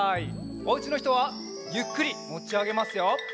おうちのひとはゆっくりもちあげますよ。